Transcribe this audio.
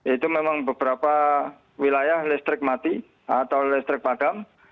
itu memang beberapa wilayah listrik mati atau listrik padam